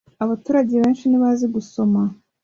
abaturage benshi ntibazi gusoma.